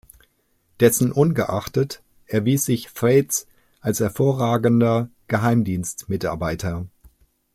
Dessen ungeachtet erwies sich Thwaites als hervorragender Geheimdienstmitarbeiter.